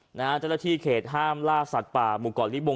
เจ้าหน้าที่เขตห้ามล่าสัตว์ป่าหมู่เกาะลิบง